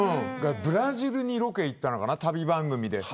ブラジルにロケに行ったのかな旅番組で。